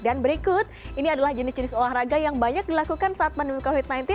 dan berikut ini adalah jenis jenis olahraga yang banyak dilakukan saat pandemi covid sembilan belas